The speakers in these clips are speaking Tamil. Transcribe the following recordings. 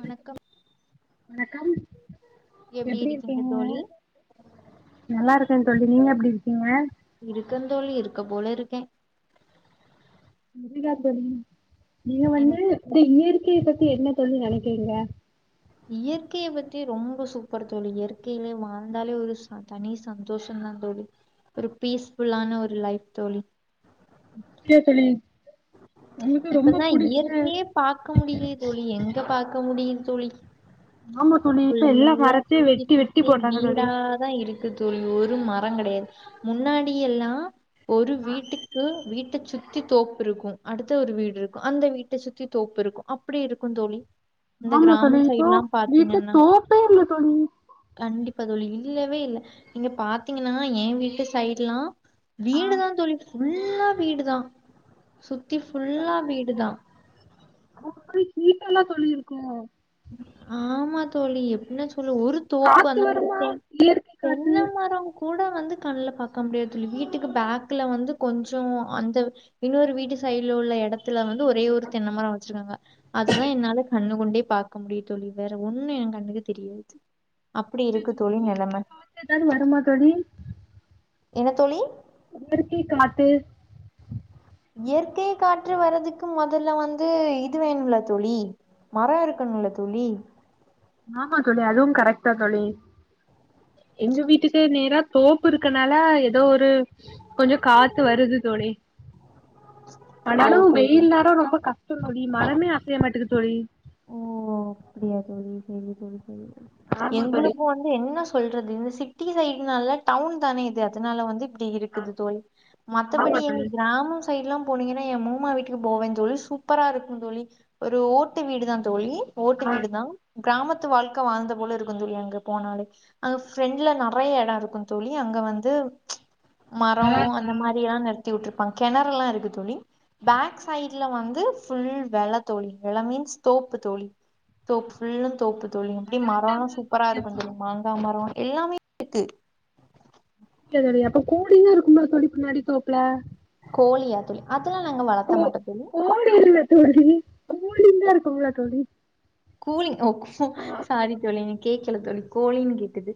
வணக்கம் வணக்கம் எப்டி இருக்கீங்க நல்லா இருக்கேன் தோழி நீங்க எப்டி இருக்கீங்க இருக்கன் தோழி இருக்க போல இருக்கே அப்டியா தோழி நீங்க வந்து எனக்கு இந்த இயற்கையை பத்தி என்ன தோழி நெனைக்கிறீங்க இயற்கைய பத்தி ரொம்ப சூப்பர் தோழி இயற்கையிலே வாழ்ந்தாலே ஒரு தனி சந்தோஷதா தோழி ஒரு பீஸ் ஃபுல்லான ஒரு லைஃப் தோழி ஓகே தோழி உனக்கு ரொம்ப புடிச்ச பார்க்க முடிலியே தோழி எங்க பார்க்க முடியுது தோழி ஆமா தோழி இப்ப எல்லா ஃபுல்லா மரத்தே வெட்டி வெட்டி போட்றாங்க தோழி தா இருக்கு தோழி ஒரு மரச் கெடையாது முன்னாடி எல்லா ஒரு வீட்டுக்கு வீட்ட சுத் தி தோப்பு இருக்கு அடுத்த ஒரு வீடு இருக்கு அந்த வீட்ட சுத்தி தோப்பு இருக்கு அப்டி இருக்கு தோழி இந்த ஆமா தோழி கிராமம் இப்போ சைட்லா வீட்ல பாத்தீங்கன்னா தோப்பே இல்ல தோழி கண்டிப்பா தோழிதான்ல்லவே இல்ல நீங்க பாத்தீங்கன்னா என் வீட்டு சைட்லா ஆ வீடு தா தோழி ஃபுல்லா வீடு தா சுத்தி ஃபுல்லா வீடுதா அப்டி ஹீட்டால தோழி இருக்கு ஆமா தோழி எப்டின்னா சொல்லு ஒரு தோப்பு காத்து அந்த மாரி வருமா தே இயற்கை காத்து தென்ன மரோ கூட வந்து கண்ல பார்க்க முடியதுல்ல தோழி வீட்டுக்கு பேக்ல வந்து கொஞ்சோ அந்த இன்னொரு வீட்டு சைட்ல உள்ள இடத்துல வந்து ஒரே ஒரு தென்ன மரோ வச்சிருக்காங்க அதுதா என்னால கண்ணு கொண்டே பாக்க முடியு தோழி வேற ஒண்ணு என் கண்ணுக்கு தெரியாது அப்டி இருக்கு தோழிநெலம எதாவது வருமா தோழி என்ன தோழி இயற்கை காத்து இயற்கை காற்று வரதுக்கு மொதல்ல வந்து இது வேணும்ல தோழி மரோ இருக்கணுல தோழி ஆமா தோழி அது கரெக்டா தோழி எங்க வீட்டு சைட் நேரா தோப்பு இருக்கனால ஏதோ ஒரு கொஞ்ச காத்து வருது தோழி ஓ ஆனாலு செரி வெயில் நேரோ ரொம்ப கஷ்டோதோழி மரமே அசையமாட்டுக்கு தோழி ஓ அப்டியா தோழி செரி தோழி செரி ஆமா தோழி எங்ளுக் வந் து என்ன சொல்றது இந்த சிட்டி சைட்னால டவுன் தானே இது அதனால வந்து இப்டி இருக்குது தோழி ஆமா மத்தபடி எங்க தோழி கிராமோ சைட்லா போனீங்கன்னா என் மூமா வீட்டுக்கு போவே தோழி சூப்பரா இருக்கு தோழி ஒரு ஓட்டு வீடுதா தோழி ஓட்டு ஆ வீடுதா கிராமத்து வாழ்க்க வாழ்ந்த போல இருக்கு தோழி அங்க போனாலே அங்க ஃப்ரெண்ட்ல நெறைய இட இருக்கு தோழி அங்க வந்து மரோ வெளாட்லா அந்த மாரிலா நிறுத்தி விட்டுருப்பாங் கிணறு எல்லா இருக்கு தோழி பேக் சைட்ல வந்து ஃபுல் வெல தோழி வெல மீன்ஸ் தோப்பு தோழி தோப்பு ஃபுல்லு தோப்பு தோழி அப்டி மரோல்லா வெளாட்லாம்ல சூப்பரா இருக்கு அப்போ தோழி தெரிமா அ மரோ எல்லாமே இருக்கு செர் செரி அப்ப கூலிங்கா இருக்கும்மா தோழி பின்னாடி தோப்புல கோழியா தோழி அதெல்லா நாங்க வளத்த மாட்ட தோழி கோழி இல்ல தோழி கூலிங்கா இருக்கும்ல தோழி கூலிங் ஓ சாரி தோழி எனக்கு கேக்கல தோழி கோழினு கேட்டுது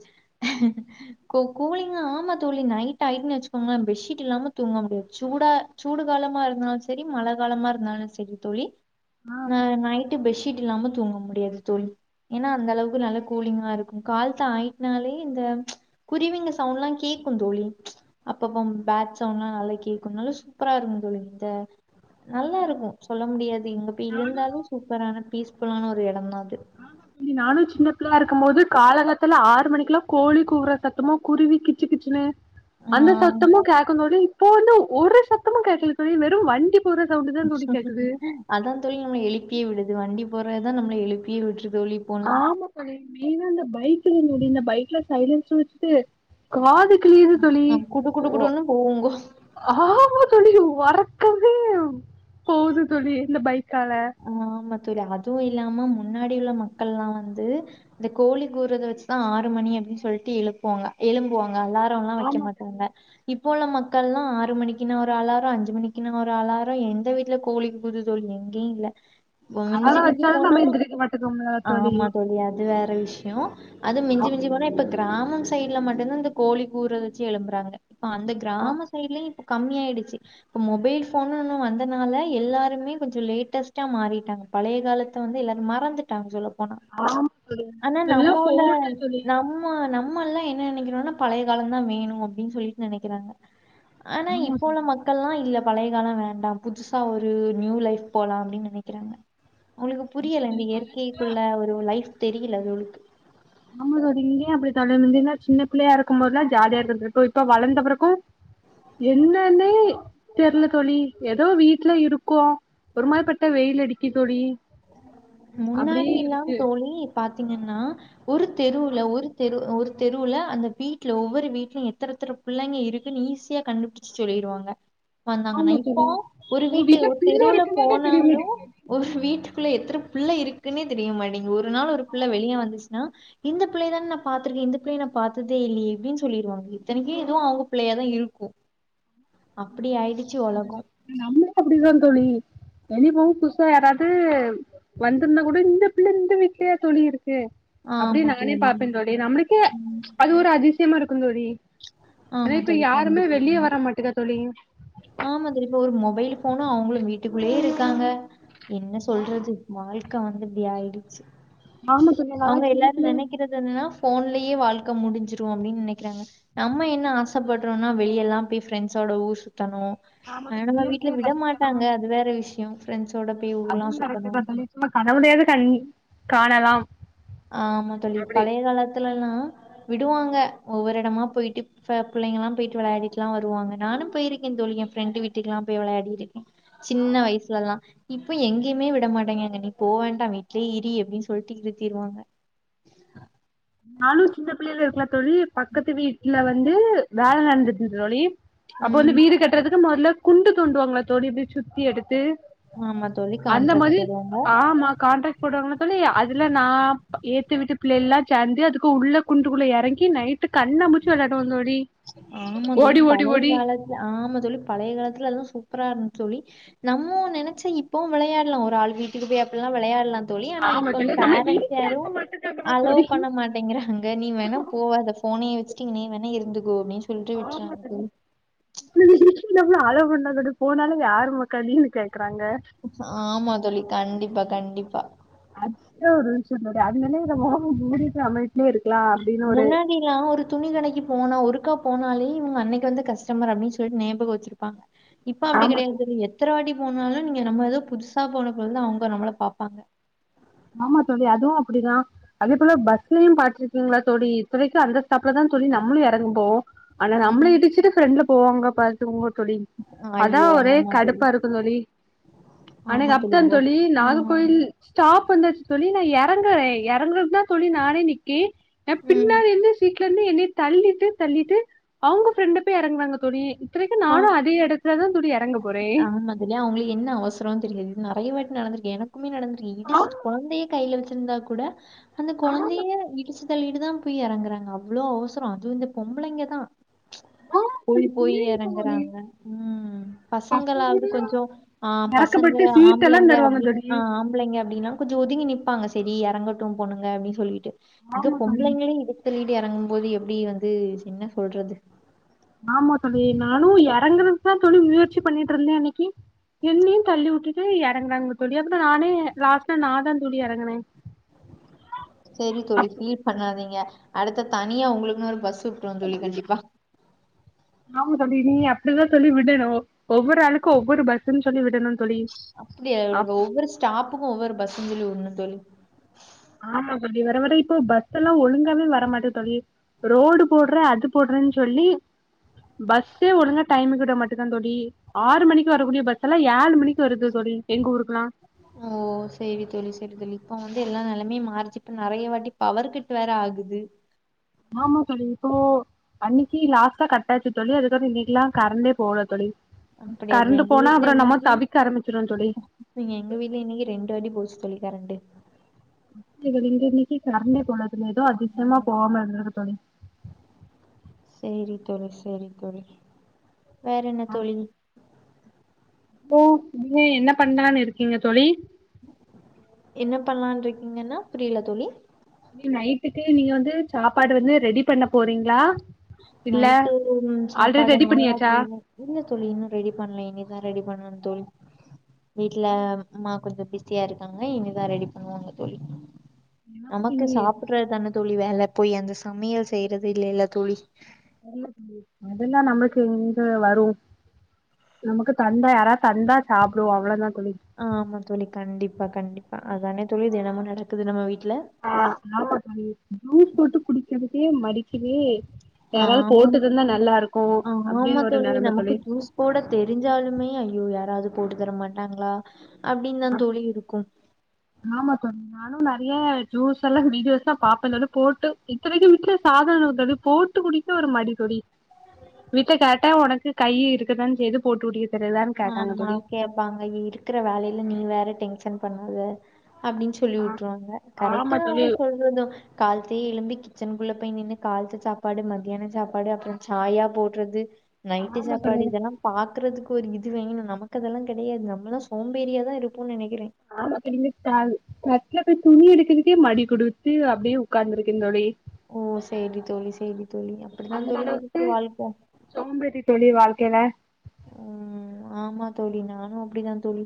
கொ கூலிங்கா ஆமா தோழி நைட் ஆயிட்டுன் வெச்சுக்கோங்களே பெட்ஷீட் இல்லாம தூங்க முடியாது சூடா சூடு காலமா இருந்தாலு செரி மழ காலமா இருந்தாலு செரி தோழி ஆ அ நைட்டு பெட்ஷீட் இல்லாம தூங்க முடியாது தோழி ஏன்னா அந்த அளவுக்கு நல்ல கூலிங்கா இருக்கு கால்த்தா ஆயிட்னாலே இந்த குருவிங்க சவுண்ட்லா கேக்குந் தோழி அப்பப்ப பேட் சவுண்ட்ல்லா நல்லா கேக்கு நல்லா சூப்பரா இருக்கு தோழி இந்த நல்லா இருக்கு சொல்ல முடியாது இங்க போய் இருந்தாலு சூப்பரான பீஸ் ஃபுல்லான ஒரு எடந்தா அது ஆமா தோழி நானு சின்ன பிள்ளயா இருக்கும் போது காலங்காத்தால ஆறு மணிக்குலா கோழி கூவுற சத்தமு குருவி கிச்சு கிச்சுன்னு ஆ அந்த சத்தமு கேக்க தோழி இப்போ வந்து ஒரு சத்தமு கேக்கல தோழி வெறு வண்டி போற சவுண்டுதா தோழி கேக்குது அதா தோழி நம்மள எழுப்பியே விடுது வண்டி போறதா நம்மள எழுப்பியே விட்ரு தோழி இப்போலா ஆமா தோழி மெயினா இந்த பைக்த தோழி இந்த பைக்ல சைலன்ஸர் வெச்சுட்டு காது கிழியுது தோழி குடு குடு ஒ குடுன்னு போகுங்கோ ஆமா தோழி ஒறக்கமே போகுது தோழி இந்த பைக்கால ஆ ஆமா தோழி அதுவு இல்லாம முன்னாடி உள்ள மக்கல்லா வந்து இந்த கோழி கூவறத வெச்சுதா ஆறு மணி அப்டின் சொல்லிட்டு எழுப்புவாங்க எழும்புவாங்க அலா ரல்லா வெக்க ஆமா தோழி மாட்டாங்க இப்போ உள்ள மக்கல்லா ஆறு மணிக்குனா ஒரு அலார அஞ்சு மணிக்குனா ஒரு அலார எந்த வீட்ல கோழி கூது தோழி எங்கயு இல்ல மிஞ்சி அலாரம் மிஞ்சி வச்சாலு போனா நம்ம எந்திரிக்க மாட்டேங்கோம்ல ஆமா தோழி அது வேற விஷ் யோ அது ஆ மிஞ்சி மிஞ்சி போனா இப்ப கிராமம் சைட்ல மட்டுந்தா இந்த கோழி கூறத வெச்சு எழும்புறாங்க அந்த கிராம சைடுலயு இப்ப கம்மியாயிடுச்சு இப்ப மொபைல் ஃபோன்னுன்னு வந்தனால எல்லாருமே கொஞ்சோ லேட்டஸ் ட்டா மாறிட்டாங்க பழைய காலத்த வந்து எல்லாரு மறந்துட்டாங்க சொல்ல போனா ஆமா தோழி ஆனா எல்லா நம்ம உள்ள ஃபோன் தா நம் தோழி நம்ம நம்ம எல்லா என்ன நெனைக்கிறோனா பழைய காலந்தா வேணு அப்டின் சொல்லிட்டு நெனைக்கிறாங்க ஆனா ஆமா இப்போ உள்ள தோழி மக்கல்லா இல்ல பழைய கால வேண்டா புதுசா ஒரு நியூ லைஃப் போலா அப்டின் நெனைக்கிறாங்க அவுங்ளுக்கு புரியல தோழி இந்த பழசெல்லா இயற்கைக்குள்ள ஒரு லைஃப் தெரியல அவுகளுக்கு ஆமா தோழி இங்கயு அப்படி தா முன்னலா சின்ன பிள்ளையா இருக்கும் போதுல்லா ஜாலியா இருந்துருக்கு இப்ப வளந்த பிறகு என்னனே தெர்ல தோழி எதோ வீட்ல இருக்கோ ஒரு மாரிப்பட்டா வெயில் அடிக்கி தோழி முன்னாடி அப்டியே எல்லா இருக்கு தோழி பாத்திங்கன்னா ஒரு தெருவுல ஒரு தெரு ஒரு தெருவுல அந்த வீட்ல ஒவ்வொரு வீட்லயு எத்தனெத்தன புள்ளைங்க இருக்குன்னு ஈஸியா கண்டுபிடிச் சு சொல்லிருவாங்க வந்தாங்கன்னா ஆமா தோழி இப்போ ஒரு உங்க வீட்டு வீட்ல ஒரு பிள்ள தெருவுல இருக்குன்னே தெரிய மாட்டேங்குது போனாலு ஒரு வீட்டுக்குள்ள எத்தன பிள்ள இருக்குன்னே தெரிய மாட்டிங்கு ஒரு நாள் ஒரு புள்ள வெளிய வந்துச்சுனா இந்த பிள்ளைய தான நா பாத்திருக்கே இந்த பிள்ளைய நா பாத்ததே இல்லையே அப்டின்னு சொல்லிருவாங்க இத்தனைக்கு இதுவு அவங்க பிள்ளையாதா இருக்கு அப்படி ஆயிடுச்சு ஒலக நம்மளே அப்படிதா தோழி வெளிய போவோ புதுசா யாராது வந்துருந்தா கூட இந்த பிள்ள இந்த வீட்லயா தோழி இருக்கு அப்டி ஆமா நானே தோழி. பாப்பே தோழி நம்மளுக்கே ம். அது ஒரு அதிசயமா இருக்குந் தோழி ஆனா ஆமா இப்ப தோழி. யாருமே கண்டிப்பா வெளிய கண்டிப்பா. வர மாட்டுக்கா தோழி ஆமா தோழி இப்ப ஒரு மொபைல் ஃபோனு அவங்களு வீட்டுக்குள்ளேயே இருக்காங்க என்ன சொல்றது வாழ்க்க வந்து இப்டி ஆயிடுச்சு ஆமா தோழி நாலா அவங்க சின்ன எல்லாரு பிள்ளை நெனைக்கிற இப்ப என்னன்னா ஃபோன்லயே வாழ்க்க முடிஞ்சிரு அப்டின்னு நெனைக்கிறாங்க நம்ம என்ன ஆசப்படுறோம்னா வெளிய எல்லாம் பேய் ஃப்ரெண்ட்ஸோட ஊர் சுத்தணு ஆமா தோழி [unintelligible] வீட்டு்ல இயற்கைய விட ரசிக்கணு மாட்டாங்க அது வேற விஷயோ ஃப்ரெண்ட்ஸோட பேய் ஊர்ல்லா சுத்தணு நம்ம கனவுலையாது கண் காணலாம் அ ஆமா தோழி அப்டி பழைய காலத்துல லா விடுவாங்க ஒவ்வொரு எடமா போயிட்டு ப பிள்ளைங்கல்லா போயிட்டு வெளையாடிட்டுலா வருவாங்க நானு பேயிருக்கே தோழி என் ஃப்ரெண்டு வீட்டுக்குல்லா பேய் வெளையாடிருக்கே சின்ன வயிசுல எல்லா இப்ப எங்கயுமே விட மாட்டேங்காங்க அங்க நீ போவேண்டாம் வீட்லயே இரு அப்டின்னு சொல்ட்டு நிறுத்திருவாங்க நானு சின்ன பிள்ளைகள் இருக்கலா தோழி பக்கத்து வீட்டுல வந்து வேல நடந்துது தோழி அப்ப வந்து ம் வீடு கட்டுறதுக்கு மொதல்ல குண்டு தோண்டுவாங்களா தோழி இப்டி சுத்தி எடுத்து ஆமா தோழி அந்த கான்ட்ராக்ட் மாதிரி போடுவாங்க ஆமா கான்ட்ரக்ட் போடுவாங்கலா தோழி அதுல நா எதுத்த வீட்டு பிள்ளை எல்லா சேந்து அதுக்கு உள்ள குண்டுக்குள்ள எறங்கி நைட்டு கண்ணாம்பூச்சி வெளையாடுவோ தோழி ஆமா தோழி ஓடி ஓடி பழைய ஓடி காலத்து ஆமா தோழி பழைய காலத்துல அதுலா சூப்பரா இருந்துது தோழி நம்மோ நெனச்சா இப்பவு வெளையாடலா ஒரு ஆள் வீட்டுக்கு பேய் அப்டில்லா வெளையாடலா தோழி ஆனா ஆமா இப்ப தோழி நம்மள பேரன்ஸ் வீட்ல யாரு இருக்க மாட்டேங்றாங்களா அலோவ் தோழி பண்ண மாட்டேங்கிறாங்க நீ வேணா போவாத போனே வச்சுட்டு இங்னே வேணா இருந்து [unintelligible] [unintelligible] அலோவ் பண்ணதா போனாலு யாருமக்கா நீன்னு கேக்குறாங்க ஆமா தோழி கண்டிப்பா கண்டிப்பா அது ஒரு சொல்ல அதுனாலயே மூடிட்டு நம்ம வீட்லயே இருக்கலா அப்டின்னு ஒரு முன்ன அப்பலா ஒரு துணி கடைக்கு போனா ஒருக்கா போனாலே இவங்க அன்னைக்கு வந்த கஸ்டமர் அப்டின்னு சொல்லி ஞாபக வச்சிரு ப்பா இப்ப அப்டி ஆமா கெடையாது [unintelligible] எத்தினவாட்டி போனாலு நீங்க நம்ம எதோ புதுசா போன போல தா அவங்க நம்மள பாப்பாங்க ஆமா தோழி அதுவு அப்டிதா அதே போல பஸ்லயும் பாத்ருக்கீங்ளா தோழி இத்தனைக்கு அந்த ஸ்டாப்புல தா தோழி நம்மளு எறங்கு போம் ஆனா நம்மள ம். இடிச்சுட்டு ஃப்ரெண்ட்ல போவாங்க பாத்துங்க தோழி அதா ஐயோ! ஒரே ஆமா தோழி. கடுப்பா இருக்கு தோழி அன்னைக்கு ஆமா அப்தா பஸ் தோழி நாகர் ம். கோவில் ஸ்டாப் வந்தாச்சு தோழி நா எறங்குறே எறங்குறதுக்கு தா தோழி நானே நிக் கி நா ம். பின்னாடி இருந்து சீட் இருந்து என்னய தள்ளிட்டு தள்ளிட்டு அவங்க ஃப்ரெண்ட போய் எறங்குவாங்க தோழி இத்னைக்கு ஆ. நானு அதே எடத்துலதா தோழி எறங்க போறே இது அவங்களுக்கு என்ன அவசரம்னு தெரியாது நெறையவாட்டி நடந்திருக் ஏன்னா எனக்குமே நடந்து இருக் ஆ இடிச்சி கொழந்தைய கையில வச்சிருந்தா கூட அந்த ஆமா கொழந்தைய இடிச்சி தள்ளிட்டு தா போய் எறங்குறாங்க அவ்ளோ அவசரோ அதுவு இந்த பொம்பளைங்க தா போய் தோழி போய் எறங்குறாங்க ம் பசங்க பசங்களாவது கொஞ்சோ அ பசங்க எறக்கப்பட்டு சீட் எல்லா ஆம்பளைங்க தருவாங்க அப்டின் தோழி அ ஆம்பளைங்க அப்டின்னா கொஞ்சோ ஒதுங்கி நிப்பாங்க சரி எறங்கட்டு பொண்ணுங்க அப்டின்னு சொல்லிட்டு அந்த ஆமா தோழி பொம்பளைங்களே இடிச்சுதள்ளிட்டு எறங்கு போது எப்டி வந்து என்ன சொல்றது ஆமா தோழி நானு எறங்குறதுக்குதா தோழி முயற்சி பண்ணிட்ருந்தே அன்னக்கி என்னையு தள்ளி வுட்டுட்டு எறங்குறாங்க தோழி அப்றோ நானே லாஸ்ட்டா நா தா தோழி எறங்கினே செரி தோழி ஃபீல் பண்ணாதீங்க அடுத்த தனியா உங்களுக்குன்னு ஒரு பஸ்ஸு விட்ருவொ தோழி கண்டிப்பா ஆமா தோழி இனி அப்டிதா தோழி விடணு ஒவ்வொரு ஆளுக்கு ஒவ்வொரு பஸ்ன்னு சொல்லி விடணு தோழி அப்பிடியா அப் ஒவ்வொரு ஸ்டாப்புக்கு ஒவ்வொரு பஸ்ஸுனு சொல்லி வுட்னு தோழி ஆமா தோழி வர வர இப்போ பஸ்ஸெல்லா ஒழுங்காமே வரமாட்டே தோழி ரோடு போட்றே அது போட்றேன் சொல்லி பஸ்ஸே ஒழுங்கா டைமுக்கு விட மாட்டுங்கா தோழி ஆறு மணிக்கு வரக்கூடிய பஸ்ஸெல்லா ஏழு மணிக்கு வருது தோழி எங்க ஊருக்கல்லா ஓ ஓ செரி தோழி செரி தோழி இப்ப வந்து எல்லா நெலமயு மாறுச்சு இபப நெறைய வாட்டி பவர் கட்டு வேற ஆகுது ஆமா தோழி இப்போ அன்னக்கி லாஸ்ட்டா கட்டாச்சு தோழி அதுக்கப்றோ இன்னைக்குல்லா கரண்டே போகல தோழி அப்டியா தோழி கரண்டு எங்க போனா அப்றோ நம்ம தவிக்க ஆரம்பிச்சிருவொ தோழி இன்னக்கி எங்க வீட்ல இன்னக்கி ரெண்டு வாட்டி போச்சு தோழி கரண்டு இங்க இன்னக்கி கரண்டே போல தோழி ஏதோ அதிஸ்யமா ம் போவாம இருந்துருக்கு தோழி சேரி தோழி சேரி தோழி வேறென்ன தோழி சோ இனிமே என்ன பண்ணலான்னு இருக்கீங்க தோழி என்ன பண்ணலான் ருக்கீங்கன்னா புரியல தோழி நீ நைட்டுக்கு நீங்க வந்து சாப்பாடு வந்து ரெடி பண்ண போறீங்ளா நைட்டு சாப்பாடு ரெடி ஆமா பண்ணியாச்சா தோழி இல்ல தோழி இன்னு ரெடி பண்ல இனிதா ரெடி பண்ணனு தோழி வீட்ல அம்மா கொஞ்ச பி சியா இருக்காங்க இனிதா ரெடி பண்ணுவாங்க தோழி எனக்கு நமக்கு இனி சாப்புட்ற தான தோழி வேல போய் அந்த சமையல் செய்றது இல்லேல தோழி அதெல்லா நம்மளுக்கெங்க வரு நமக்கு தந்தா யாரா தந்தா சாப்டுவோ அவ்ளோ தா தோழி ஆமா தோழி கண்டிப்பா கண்டிப்பா அதானே தோழி தினமு நடக்குது நம்ம வீட்ல ஆ ஆமா தோழி ஜூஸ் போட்டு குடிக்றதுக்கே ம யாராது ஆமா போட்டு தந்தா நல்லார்க்கு ஆமா அப்டின்னு ஒரு நெலெம நமக்கு தோழி ஜூஸ் போட தெரிஞ்சாலுமே ஐயோ யாராவது போட்டு தரமாட்டாங்ளா அப்டின் தா தோழி இருக்கு ஆமா தோழி நானு நெறைய ஜூஸ் எல்லா வீடியோஸ்லா பாப்பெ தோழி போட்டு இது வரக்கு மிக்க சாதன [unintelligible] போட்டு போட்டு குடிக்க ஒரு மடிதோழி விட்டா கேட்டா உனக்கு கை இருக்கதா செய்து போட்டு குடி ஆமா கேப்பாங்க இருக்குற வேலயில நீ வேற டென்ஷன் பண்ணாத அப்டின் சொ சொல்லி ஆ வுட்ருவாங்க கரெட்டு ஆமா தா தோழி. அவங்க சொல்றது காலத்தையே எலும்பி கிச்சனுக்குள்ள போய் நின்னு கால்த்த சாப்பாடு மத்தியான சாப்பாடு அப்றம் சாயா போட்றது நைட்டு ஆமா சாப்பாடு தோழி. இதெல்லா பாக்குறதுக்கு ப்ப ஒரு இது வேணு நமக்கு அதெல்லா கெடையாது நம்மளா சோம்பேரியா தா இருப்போ நெனக்கிறே ஆமா [unintelligible] கத்துல போய் துணி எடுக்க்றக்கே மடி கொடுத்து அப்டியே உக்காந்துருக்க தோழி ஓ சேரி தோழி சேரி தோழி அப்படிதான் அந்த தோழி அளவுக்கு இருக்கு வாழ்க்கை சோம்பேறி தோழி வாழ்க்கையில ம் ஆமா தோழி நானு அப்டிதா தோழி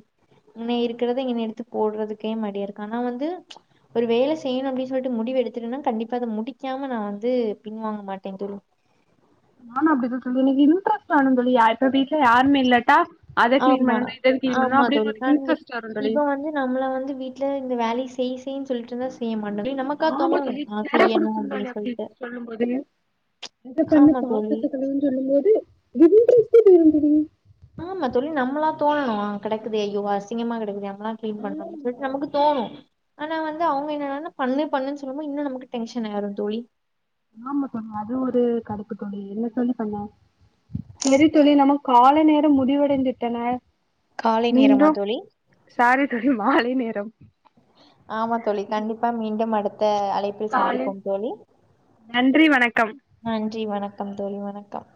இன்ன இருக்குறத இன்ன எடுத்து போட்றதுக்கே மாடியா ருக்கு ஆனா வந்து ஒரு வேல செய்யணு அப்டின்னு சொல்லிட்டு முடிவு எடுத்துட்டேன்னா கண்டிப்பா அத முடிக்காம நா வந்து பின்வாங்க மாட்ட தோழி நானு அப்டிதா தோழி எனக்கு இன்டரஸ்ட் வேனு தோழி இப்ப வீட்ல யாருமே இல்லட்டா அத கிளீன் ஆமா பண்ணணு இத கிளீன் பண்ணணு ஆமா தோழி அப்டீனு கண்டிப் இன்ரஸ்ட் வரு தோழி இப்ப வந்து நம்மள வந்து வீட்ல இந்த வேலய செய் செய்யின்னு சொல்லிட்ருந்தா செய்ய மாட்டோ நமக்கா ஆமா தோணு தோழி ஆ சர செய்யணு அப்டின்னு கொடுத்துந்தி அப்டி சொல்ட்டு சொல்லும் போது இத பண்ணு ஆமா தோழி பாத்திரத்த கழுவுனு சொல்லும் போது இன்ட்ரெஸ்ட்டே போயிடு தோழி ஆமா தோழி நம்மளா தோனணு கெடக்குதே ஐயோ அசிங்கமா கெடக்குதே நம்மலா கிளீன் பண்ணனும் சொல்லிட்டு நமக்கு தோணு ஆனா வந்து அவங்க என்னனன்னா பண்ணு பண்ணுனு சொல்லும்போது இன்னு நமக்கு டென்ஷன் ஆயிரு தோழி ஆமா தோழி அதுவு ஒரு கடுப்பு தோழி என்ன தோழி பண்ண சேரி தோழி நம்ம காலை நேரோ முடிவடைந்துவிட்டன காலை நேரமா மீண்டும் தோழி சாரி தோழி மாலை நேரம் ஆமா தோழி கண்டிப்பா மீண்டும் அடுத் தா அழைப்பில் காலை சந்திப்போம் தோழி நன்றி வணக்கம் நன்றி வணக்கம் தோழி வணக்கம்